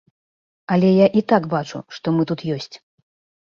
Але я і так бачу, што мы тут ёсць.